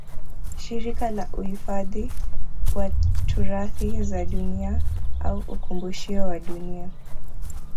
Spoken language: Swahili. Shirika la Uifadhi wa turathi za dunia au ukumbushio wa Dunia